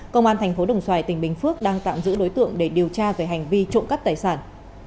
công an thành phố đồng xoài tỉnh bình phước đang tạm giữ đối tượng để điều tra về hành vi trộm cắp tài sản